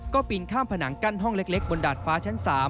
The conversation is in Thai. ก็ปีนข้ามผนังกั้นห้องเล็กบนดาดฟ้าชั้น๓